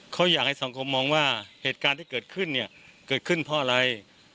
เขาอยากให้สังคมมองว่าเหตุการณ์ที่เกิดขึ้นเนี่ยเกิดขึ้นเพราะอะไร